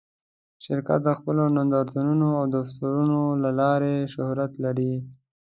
شرکت د خپلو نندارتونونو او دفترونو له لارې شهرت لري.